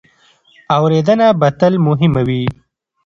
اورېدنه به تل مهمه وي.